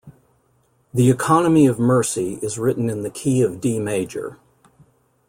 "The Economy of Mercy" is written in the key of D major.